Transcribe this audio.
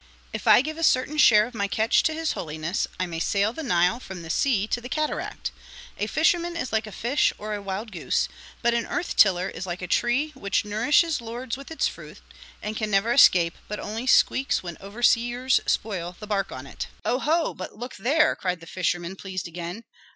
If I give a certain share of my catch to his holiness, I may sail the Nile from the sea to the cataract. A fisherman is like a fish or a wild goose; but an earth tiller is like a tree which nourishes lords with its fruit and can never escape but only squeaks when overseers spoil the bark on it." "Oho! ho! but look there!" cried the fisherman, pleased again.